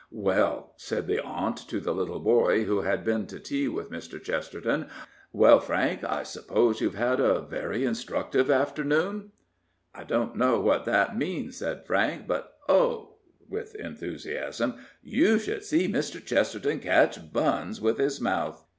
" Well," said the aunt to the little boy who had been to tea with Mr. Chesterton, —" well, Frank, I suppose you have had a very in structive afternoon ?" "I don't know what that 337 Prophets, Priests, and Kings means/' said Frank, " but, ohi " with enthusiasm, " you should see Mr. Chesterton catch buns with his mouth."